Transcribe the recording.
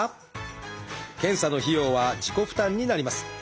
検査の費用は自己負担になります。